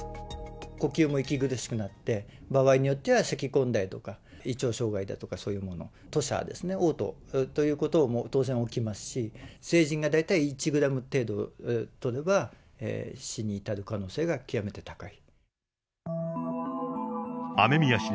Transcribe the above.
呼吸も息苦しくなって、場合によってはせき込んだりとか、胃腸障害だとか、そういうもの、吐しゃ、おう吐ということも当然起きますし、成人が大体１グラム程度とれば、死に至る可能性が極めて高い。